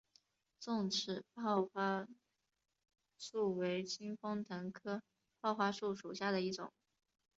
重齿泡花树为清风藤科泡花树属下的一个种。